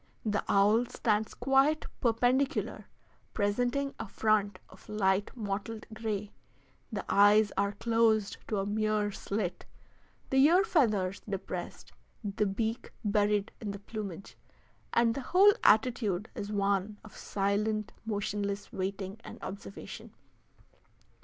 The owl stands quite perpendicular, presenting a front of light mottled gray; the eyes are closed to a mere slit, the ear feathers depressed, the beak buried in the plumage, and the whole attitude is one of silent, motionless waiting and observation.